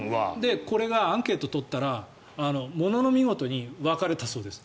アンケート取ったらものの見事に分かれたそうです。